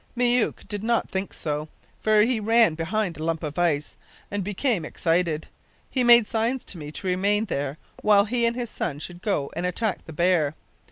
Myouk did not think so, for he ran behind a lump of ice, and became excited. He made signs to me to remain there while he and his son should go and attack the bear.